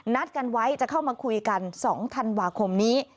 นัดกันไว้จะเข้ามาคุยกัน๒ธันวาคมนี้